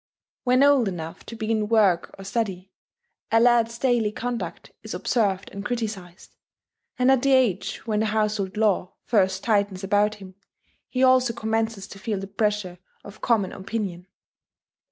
When old enough to begin work or study, a lad's daily conduct is observed and criticised; and at the age when the household law first tightens about him, he also commences to feel the pressure of common opinion.